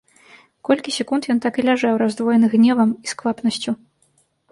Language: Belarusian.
Колькі секунд ён так і ляжаў, раздвоены гневам і сквапнасцю.